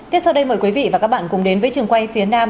tiếp sau đây mời quý vị và các bạn cùng đến với trường quay phía nam